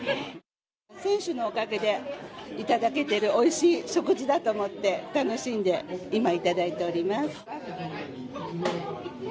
選手のおかげで、頂けてるおいしい食事だと思って、楽しんで、今、頂いております。